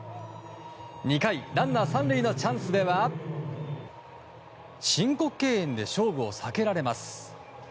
２回、ランナー３塁のチャンスでは申告敬遠で勝負を避けられます。